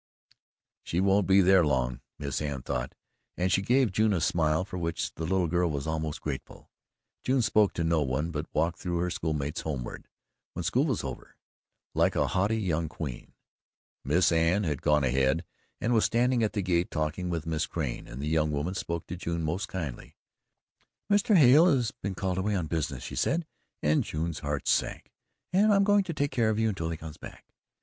"She won't be there long," Miss Anne thought, and she gave June a smile for which the little girl was almost grateful. June spoke to no one, but walked through her schoolmates homeward, when school was over, like a haughty young queen. Miss Anne had gone ahead and was standing at the gate talking with Mrs. Crane, and the young woman spoke to June most kindly. "Mr. Hale has been called away on business," she said, and June's heart sank "and I'm going to take care of you until he comes back."